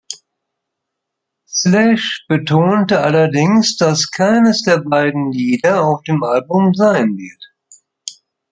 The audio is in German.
Slash betonte allerdings, dass keines der beiden Lieder auf dem Album sein wird.